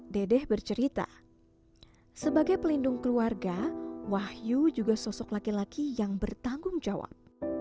dedeh bercerita sebagai pelindung keluarga wahyu juga sosok laki laki yang bertanggung jawab